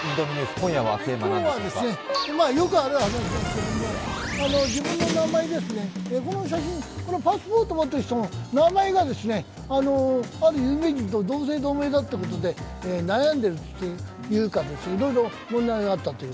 今日は、よくある話ですが自分の名前、この写真、このパスポートを持っている人の名前がある有名人と同姓同名だっていうことで、悩んでるっていうか、いろいろ問題があったという。